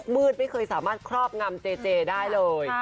ไม่เคยสามารถครอบงำเจเจได้เลย